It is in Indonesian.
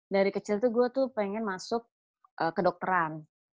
dari kecil tuh gue tuh pengen masuk kedokteran